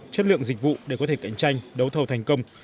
chất lượng dịch vụ để có thể cạnh tranh đấu thầu thành công